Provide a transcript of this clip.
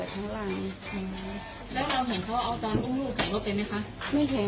อ่าสมัยตลอดไปร้อนของพ่อ